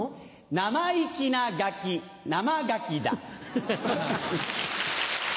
生意気なガキ生ガキだ。ハハハ。